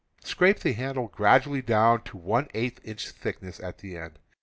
Scrape the handle gradually down to J inch thickness at the end.